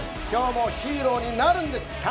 今日もヒーローになるんです！